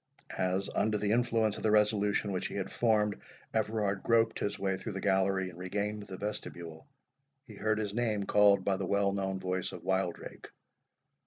As, under the influence of the resolution which he had formed, Everard groped his way through the gallery and regained the vestibule, he heard his name called by the well known voice of Wildrake.